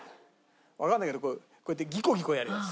わかんないけどこうやってギコギコやるやつ。